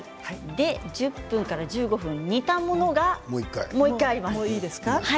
１０分から１５分煮たものがもう１回、あります。